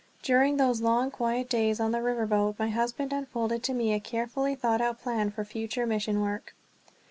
During those long, quiet days on the river boat my husband unfolded to me a carefully thought out plan for future mission work.